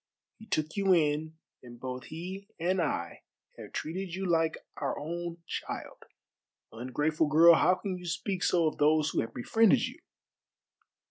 He took you in, and both he and I have treated you like our own child. Ungrateful girl, how can you speak so of those who have befriended you?"